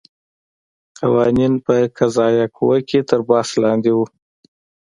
قوانین په قضایه قوه کې تر بحث لاندې وو.